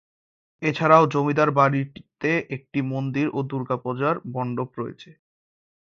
এছাড়াও জমিদার বাড়িটিতে একটি মন্দির ও দুর্গাপূজার মণ্ডপ রয়েছে।